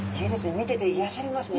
見てて癒やされますね。